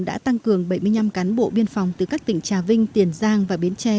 đã tăng cường bảy mươi năm cán bộ biên phòng từ các tỉnh trà vinh tiền giang và bến tre